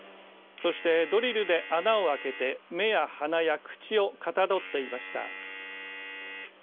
そして、ドリルで穴を空けて目や鼻や口をかたどっていました。